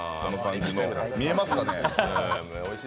見えますかね。